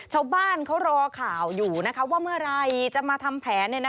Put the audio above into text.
ชาวบ้านเขารอข่าวอยู่นะคะว่าเมื่อไหร่จะมาทำแผน